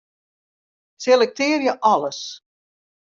Selektearje alles.